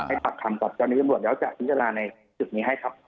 ให้ตัดคำตอบเจ้าในจังหวัดแล้วจะพิจารณาในจึกนี้ให้ครับ